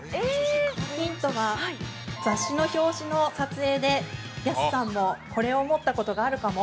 ヒントは、雑誌の表紙の撮影で安さんもこれを持ったことがあるかも！？